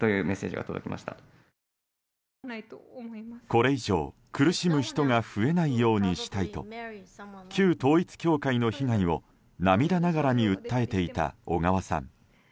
これ以上、苦しむ人が増えないようにしたいと旧統一教会の被害を涙ながらに訴えていた小川さん。